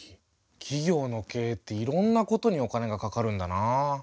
企業の経営っていろんなことにお金がかかるんだなぁ。